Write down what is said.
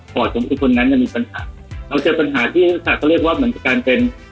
คอร์ดสมมติคนนั้นมีปัญหาเราเจอปัญหาที่นักศึกษาเรียกว่าเหมือนการเป็น